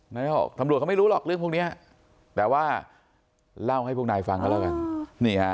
นายกตำรวจเขาไม่รู้หรอกเรื่องพวกนี้แต่ว่าเล่าให้พวกนายฟังกันแล้วกัน